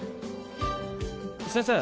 先生